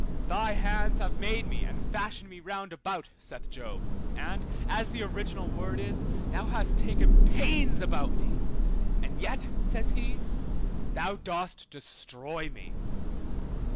Thy hands have made and fashioned me round about, saith Job, and (as the original word is) thou hast taken pains about me, and yet (says he) thou dost destroy me.